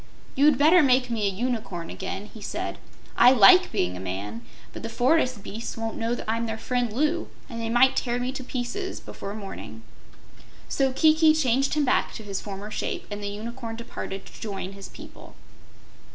"You'd better make me a Unicorn again," he said. "I like being a man, but the forest beasts won't know I'm their friend, Loo, and they might tear me in pieces before morning." So Kiki changed him back to his former shape, and the Unicorn departed to join his people.